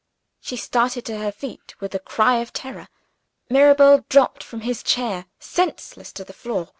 She started to her feet with a cry of terror. Mirabel dropped from his chair senseless to the floor.